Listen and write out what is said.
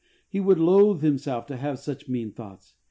He would loathe himself to have such mean thoughts.